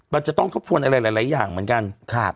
มันจะต้องทบทวนอะไรหลายอย่างเหมือนกัน